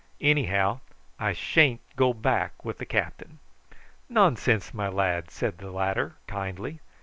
Anyhow I sha'n't go back with the captain." "Nonsense, my lad!" said the latter kindly.